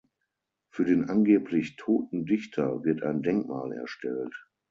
Für den angeblich "toten" Dichter wird ein Denkmal erstellt.